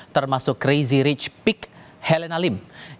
termasuk crazy rich pig helena lohanjian dan tifang solesa